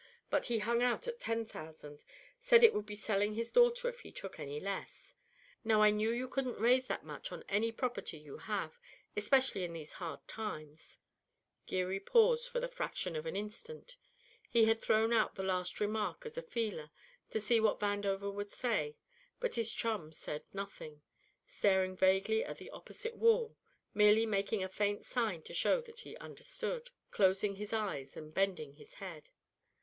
But he hung out at ten thousand; said it would be selling his daughter if he took any less. Now I knew you couldn't raise that much on any property you have, especially in these hard times " Geary paused for the fraction of an instant; he had thrown out the last remark as a feeler, to see what Vandover would say; but his chum said nothing, staring vaguely at the opposite wall, merely making a faint sign to show that he understood, closing his eyes and bending his head.